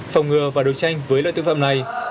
phòng ngừa và đối tranh với loại tự vạm này